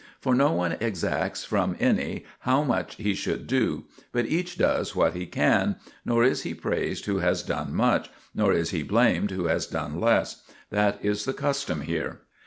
For no one exacts from any how much he should do, but each does what he can, nor is he praised who has done much, nor is he blamed who has done less ; that is the custom here.